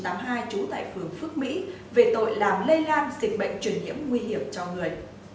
về tội làm lây lan dịch bệnh truyền nhiễm nguy hiểm cho người